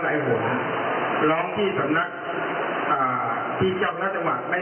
ก็ยังไม่รู้ว่ามันจะยังไม่รู้ว่า